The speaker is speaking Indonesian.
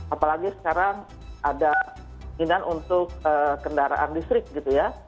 apalagi sekarang ada keinginan untuk kendaraan listrik gitu ya